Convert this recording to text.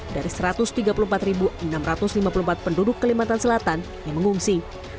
dari satu ratus tiga puluh empat enam ratus lima puluh empat penduduk kalimantan selatan yang mengungsi